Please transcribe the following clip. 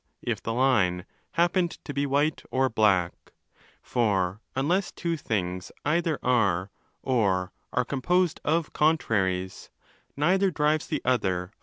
if the line happened to be white or black: for unless two things either are, or are composed of, 'contraries', neither drives the other out.